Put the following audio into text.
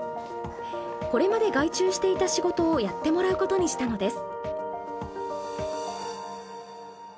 これまで外注していた仕事をやってもらうことにしたのです。